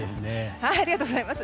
ありがとうございます。